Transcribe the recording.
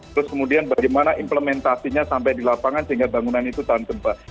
terus kemudian bagaimana implementasinya sampai di lapangan sehingga bangunan itu tahan gempa